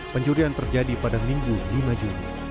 pencurian terjadi pada minggu lima juni